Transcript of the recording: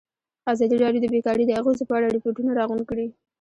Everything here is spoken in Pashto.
ازادي راډیو د بیکاري د اغېزو په اړه ریپوټونه راغونډ کړي.